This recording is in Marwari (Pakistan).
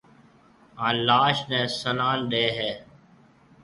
ھان لاش نيَ سنان ڏَي ھيََََ